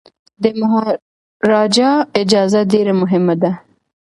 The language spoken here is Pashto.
د مهاراجا اجازه ډیره مهمه ده.